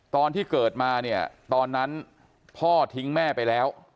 ตอนที่เกิดมาเนี่ยตอนนั้นพ่อทิ้งแม่ไปแล้ว